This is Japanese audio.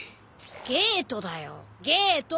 ゲートだよゲート。